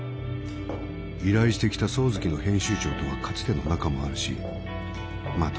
依頼してきた「早月」の編集長とはかつての仲もあるしまっ